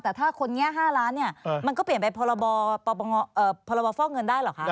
แต่ถ้าคนนี้๕ล้านเนี่ยมันก็เปลี่ยนไปพรบฟอกเงินได้เหรอคะ